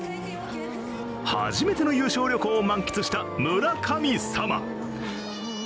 初めての優勝旅行を満喫した村神様。